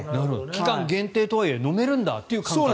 期間限定とはいえ飲めるんだという感覚。